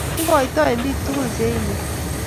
Igoitei eng biik tugul cheingen